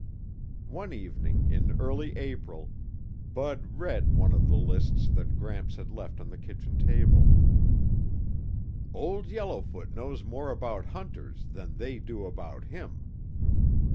One evening in early April Bud read one of the lists that Gramps had left on the kitchen table: Old Yellowfoot knows more about hunters than they do about him.